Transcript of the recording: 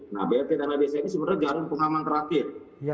nah bpsos ini sebenarnya jalan pengaman terakhir